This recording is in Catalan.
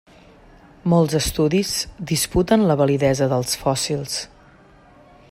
Molts estudis disputen la validesa dels fòssils.